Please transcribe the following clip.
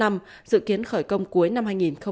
năm năm dự kiến khởi công cuối năm hai nghìn hai mươi bốn